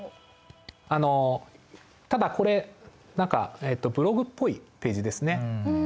あのただこれ何かブログっぽいページですね。